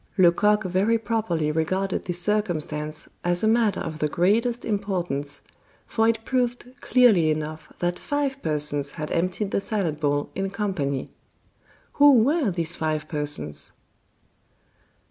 Lecoq very properly regarded this circumstance as a matter of the greatest importance, for it proved clearly enough that five persons had emptied the salad bowl in company. Who were these five persons?